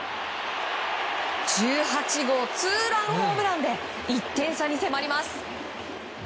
１８号ツーランホームランで１点差に迫ります。